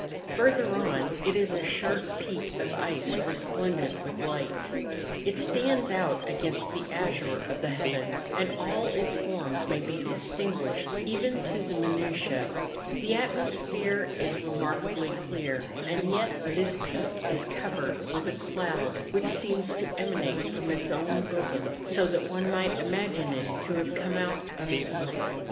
Further on, it is a sharp peak of ice resplendent with light; it stands out against the azure of the heavens, and all its forms may be distinguished even to the minutiae; the atmosphere is remarkably clear, and yet this peak is covered with a cloud which seems to emanate from its own bosom, so that one might imagine it to have come out of smoke.